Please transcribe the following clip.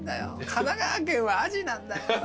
神奈川県はアジなんだ。